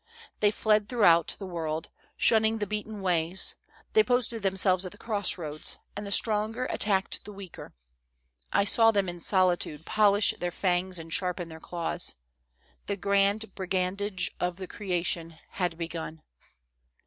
They fled throughout the world, shunning the beaten ways; they posted them selves at the cross roads, and the stronger attacked the weaker. I saw them in solitude polish their fangs and sharpen their claws. The grand brigandage of the crea tion had begun.